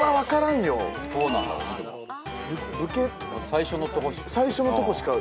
最初のとこしか。